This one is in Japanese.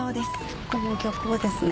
ここも漁港ですね